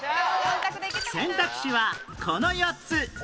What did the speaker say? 選択肢はこの４つ